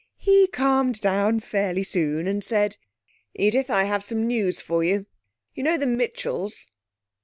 ...He calmed down fairly soon and said: 'Edith, I have some news for you. You know the Mitchells?'